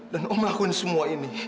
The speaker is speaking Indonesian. dan om lakuin semua ini